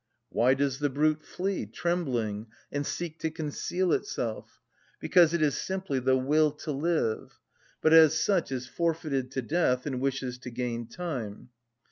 Why does the brute flee, trembling, and seek to conceal itself? Because it is simply the will to live, but, as such, is forfeited to death, and wishes to gain time.